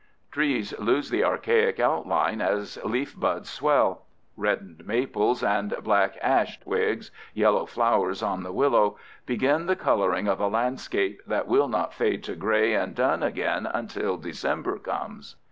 Trees lose the archaic outline as leaf buds swell. Reddened maples and black ash twigs, yellow flowers on the willow, begin the coloring of a landscape that will not fade to gray and dun again until December comes.